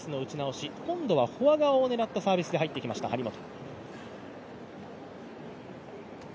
今度はフォア側を狙ったサービスで入ってきました、張本。